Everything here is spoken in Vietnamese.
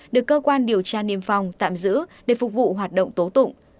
được cơ quan điều tra niêm phòng tạm giữ để phục vụ hoạt động tố tụng